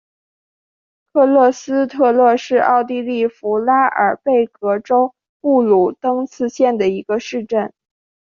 克勒施特勒是奥地利福拉尔贝格州布卢登茨县的一个市镇。